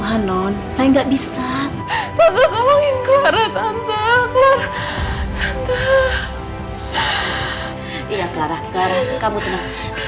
kamu sabar kamu tenang